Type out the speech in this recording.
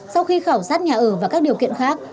sau khi khảo sát nhà ở và các điều kiện khác